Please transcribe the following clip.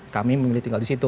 kami memilih tinggal di situ